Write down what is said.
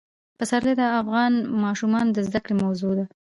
پسرلی د افغان ماشومانو د زده کړې موضوع ده.